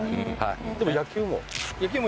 でも野球も？